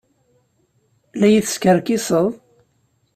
La yi-teskerkiseḍ?